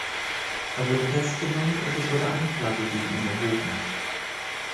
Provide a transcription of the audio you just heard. Er wurde festgenommen und es wurde Anklage gegen ihn erhoben.